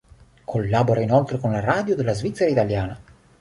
Collabora inoltre con la Radio della Svizzera italiana.